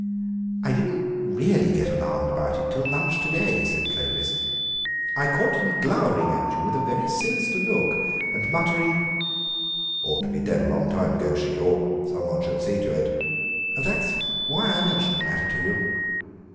"I didn't get really alarmed about it till lunch to day," said Clovis; "I caught him glowering at you with a very sinister look and muttering: 'Ought to be dead long ago, she ought, and some one should see to it.' That's why I mentioned the matter to you."